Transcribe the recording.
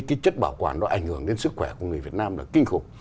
cái chất bảo quản nó ảnh hưởng đến sức khỏe của người việt nam là kinh khủng